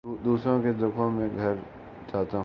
دوسروں کے دکھوں میں گھر جاتا ہوں